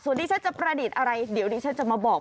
ส่วนที่ฉันจะประดิษฐ์อะไรเดี๋ยวดิฉันจะมาบอก